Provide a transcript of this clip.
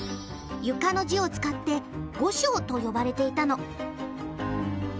「床」の字を使って「御床」と呼ばれていたの。